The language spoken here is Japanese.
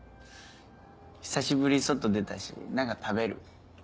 久しぶり外出たし何か食べる？